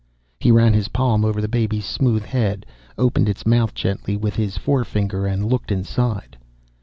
He ran his palm over the baby's smooth head, opened its mouth gently with his forefinger and looked inside.